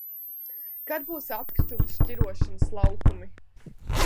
Kad būs atkritumi šķirošanas laukumi?